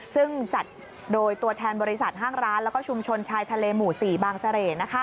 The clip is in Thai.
ซึ่งจัดโดยตัวแทนบริษัทห้างร้านแล้วก็ชุมชนชายทะเลหมู่๔บางเสร่